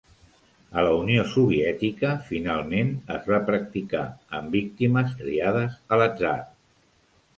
A la Unió Soviètica, finalment es va practicar en víctimes triades a l'atzar.